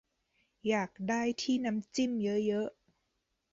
อยากได้ที่น้ำจิ้มเยอะเยอะ